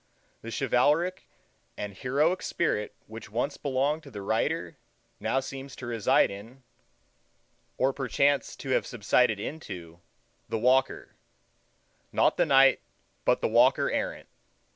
The chivalric and heroic spirit which once belonged to the Rider seems now to reside in, or perchance to have subsided into, the Walker—not the Knight, but Walker Errant.